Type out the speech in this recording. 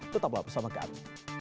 tetaplah bersama kami